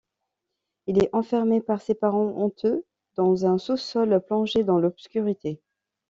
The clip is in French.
Il est enfermé par ses parents honteux dans un sous-sol plongé dans l'obscurité.